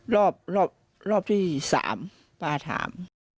รอบที่๓ป้าถาม